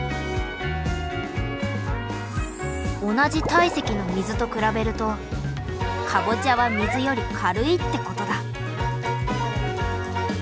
同じ体積の水と比べるとかぼちゃは水より軽いってことだ。